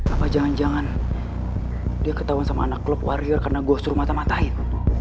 apa jangan jangan dia ketahuan sama anak klub warior karena gue suruh mata matain